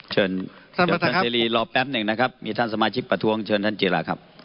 เชิญเดี๋ยวท่านเสรีรอแป๊บหนึ่งนะครับมีท่านสมาชิกประท้วงเชิญท่านจิราครับ